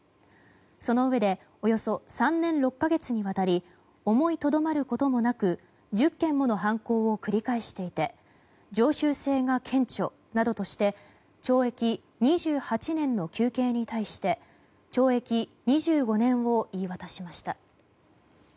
そのうえでおよそ３年６か月にわたり思いとどまることもなく１０件もの犯行を繰り返していて常習性が顕著などとして懲役２８年の求刑に対して懲役２５年を言い渡しました。